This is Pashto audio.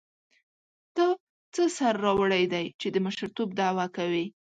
تا څه سر راوړی دی چې د مشرتوب دعوه کوې.